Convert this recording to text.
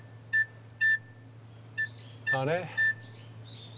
あれ？